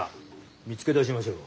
見つけ出しましょう。